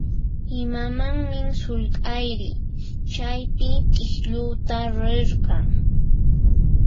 Imamanmi sullk'ayri chawpi k'iklluta rirqan?